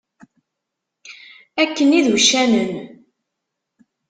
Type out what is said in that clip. Akken i d uccanen.